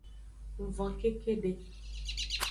Ng von kekede.